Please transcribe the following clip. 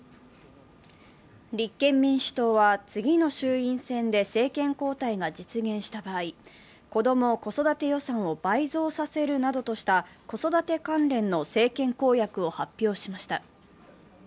立憲民主党は、次の衆院選で政権交代が実現した場合、子ども・子育て予算を倍増させるなどした子育て関連の政権公約を発表しました。